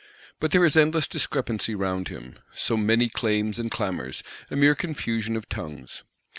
But there is endless discrepancy round him; so many claims and clamours; a mere confusion of tongues.